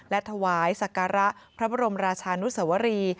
และถวายศักระพระบรมราชานุสวรี